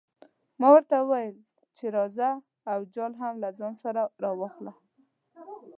ما ورته وویل چې راځه او جال هم له ځان سره راواخله.